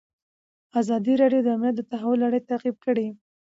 ازادي راډیو د امنیت د تحول لړۍ تعقیب کړې.